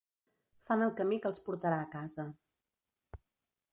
Fan el camí que els portarà a casa.